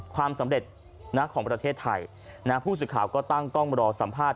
ความสำเร็จนะของประเทศไทยผู้สื่อข่าวก็ตั้งกล้องรอสัมภาษณ